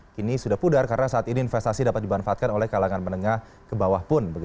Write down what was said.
kini sudah pudar karena saat ini investasi dapat dimanfaatkan oleh kalangan menengah ke bawah pun